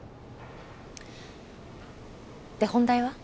で本題は？